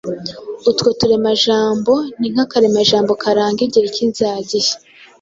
Utwo turemajambo ni nk’akaremajambo karanga igihe k’inzagihe